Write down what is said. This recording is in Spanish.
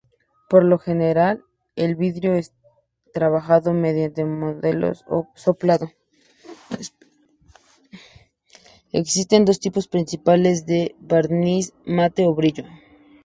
Existen dos tipos principales de barniz: mate o brillo.